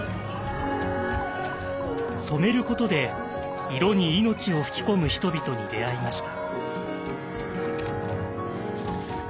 「染めること」で色に命を吹き込む人々に出会いました。